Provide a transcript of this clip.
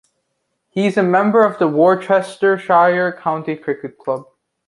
He is a member of the Worcestershire County Cricket Club.